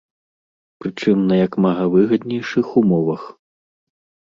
Прычым на як мага выгаднейшых умовах.